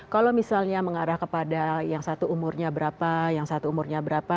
kalau misalnya mengarah kepada yang satu umurnya berapa yang satu umurnya berapa